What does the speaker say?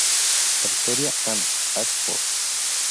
Pretoria and Ashford".